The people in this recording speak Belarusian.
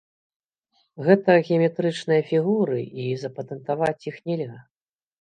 Гэта геаметрычныя фігуры, і запатэнтаваць іх нельга.